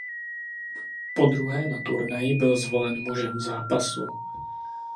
Podruhé na turnaji byl zvolen „mužem zápasu“.